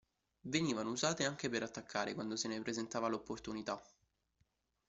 Venivano usate anche per attaccare, quando se ne presentava l'opportunità.